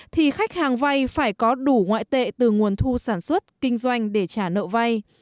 thì khách hàng vay phải có đủ ngoại tệ từ nguồn thu sản xuất kinh doanh để trả nợ vay